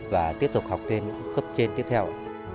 và hết cấp và tiếp tục học trên những cấp trên tiếp theo